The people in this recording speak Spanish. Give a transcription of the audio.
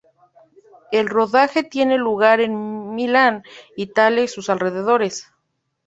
El rodaje tiene lugar en Milán, Italia y sus alrededores.